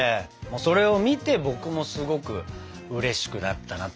それを見て僕もすごくうれしくなったなって感じ。